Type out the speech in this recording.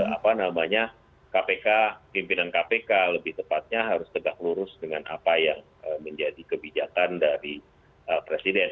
apa namanya kpk pimpinan kpk lebih tepatnya harus tegak lurus dengan apa yang menjadi kebijakan dari presiden